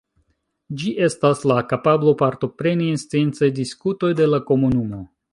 Ĝi estas la kapablo partopreni en sciencaj diskutoj de la komunumo.